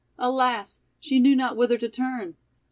Alas! she knew not whither to turn!